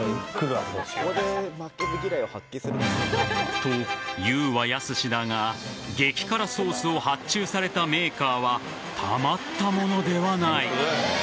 と、言うはやすしだが激辛ソースを発注されたメーカーはたまったものではない。